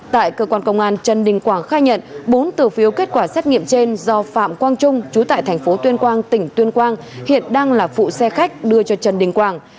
tại cơ quan công an trần đình quảng khai nhận bốn từ phiếu kết quả xét nghiệm trên do phạm quang trung chú tại thành phố tuyên quang tỉnh tuyên quang hiện đang là phụ xe khách đưa cho trần đình quảng